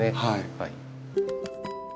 はい。